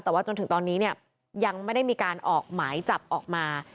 แต่ว่าจนถึงตอนนี้เนี่ยยังไม่ได้มีการออกหมายจับออกมา